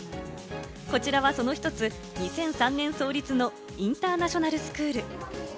こちらはその１つ、２００３年創立のインターナショナルスクール。